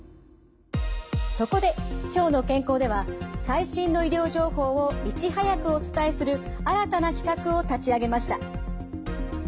そこで「きょうの健康」では最新の医療情報をいち早くお伝えする新たな企画を立ち上げました。